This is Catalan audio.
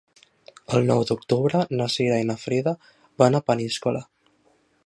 El nou d'octubre na Cira i na Frida van a Peníscola.